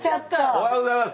おはようございます。